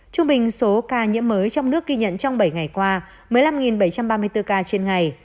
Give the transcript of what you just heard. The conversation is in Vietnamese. trung bình số ca nhiễm mới trong nước ghi nhận trong bảy ngày qua một mươi năm bảy trăm ba mươi bốn ca trên ngày